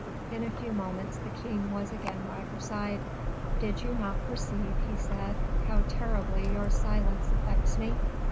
In a few moments the king was again by her side. "Do you not perceive," he said, "how terribly your silence affects me?